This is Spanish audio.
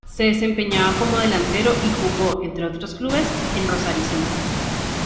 Se desempeñaba como delantero y jugó, entre otros clubes, en Rosario Central.